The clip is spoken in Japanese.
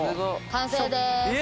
完成です！